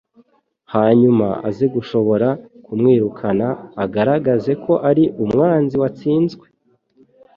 hanyuma aze gushobora kumwirukana, agaragaze ko ari umwanzi watsinzwe.